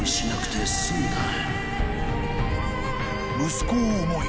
［息子を思い